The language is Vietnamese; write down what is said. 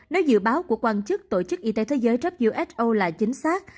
nếu dự báo của quan chức tổ chức y tế thế giới who là chính xác